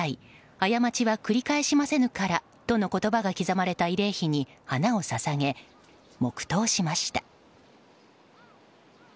過ちは繰返しませぬから」との言葉が刻まれた慰霊碑に花を捧げ、黙祷しました。